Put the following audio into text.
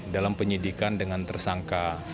dalam penyidikan dengan tersangka